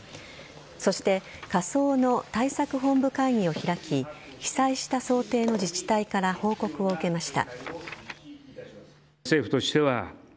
そして仮想の対策本部会議を開き被災した想定の自治体から報告を受けました。